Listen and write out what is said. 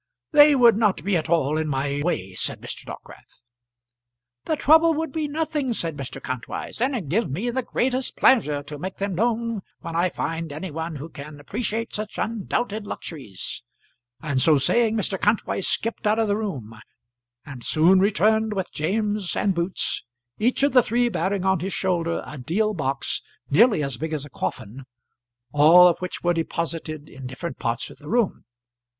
"They would not be at all in my way," said Mr. Dockwrath. "The trouble would be nothing," said Mr. Kantwise, "and it gives me the greatest pleasure to make them known when I find any one who can appreciate such undoubted luxuries;" and so saying Mr. Kantwise skipped out of the room, and soon returned with James and Boots, each of the three bearing on his shoulder a deal box nearly as big as a coffin, all of which were deposited in different parts of the room.